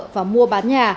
và mua bán nhà